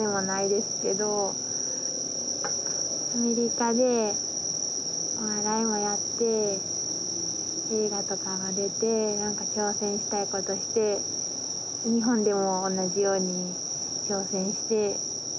アメリカでお笑いもやって映画とかも出て何か挑戦したいことして日本でも同じように挑戦して。